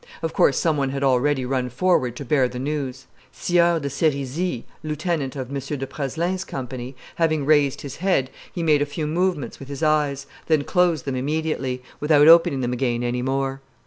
Of course some one had already run forward to bear the news. Sieur de Csrisy, lieutenant of M. de Praslin's company, having raised his head, he made a few movements with his eyes, then closed them immediately, without opening them again any more.